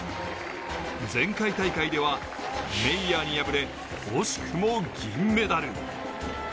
前回大会ではメイヤーに敗れ惜しくも銀メダル。